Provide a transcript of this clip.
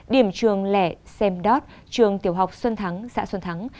điểm trường lẻ xem đót trường tiểu học xuân thắng xã xuân thắng